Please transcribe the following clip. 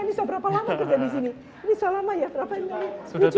ini sudah berapa lama kerja di sini